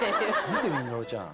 見てみ野呂ちゃん。